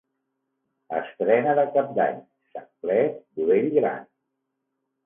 Estrena de Cap d'Any sac ple, budell gran.